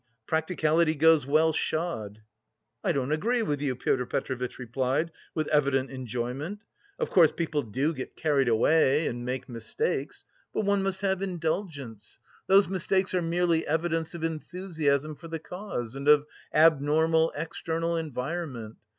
Practicality goes well shod." "I don't agree with you," Pyotr Petrovitch replied, with evident enjoyment. "Of course, people do get carried away and make mistakes, but one must have indulgence; those mistakes are merely evidence of enthusiasm for the cause and of abnormal external environment.